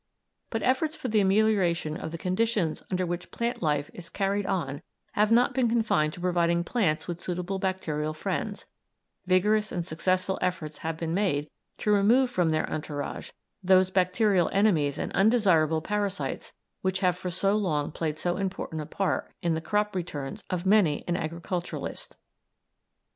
But efforts for the amelioration of the conditions under which plant life is carried on have not been confined to providing plants with suitable bacterial friends; vigorous and successful efforts have been made to remove from their entourage those bacterial enemies and undesirable parasites which have for so long played so important a part in the crop returns of many an agriculturist.